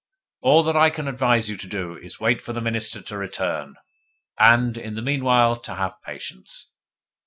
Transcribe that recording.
All that I can advise you to do is wait for the Minister to return, and, in the meanwhile, to have patience.